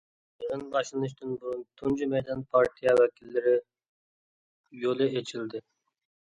يىغىن باشلىنىشتىن بۇرۇن، تۇنجى مەيدان« پارتىيە ۋەكىللىرى يولى» ئېچىلدى.